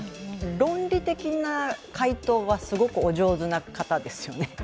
論理的な回答はすごくお上手な方ですよね。